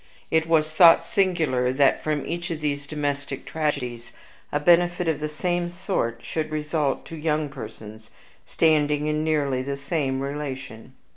It was thought singular that from each of these domestic tragedies a benefit of the same sort should result to young persons standing in nearly the same relation.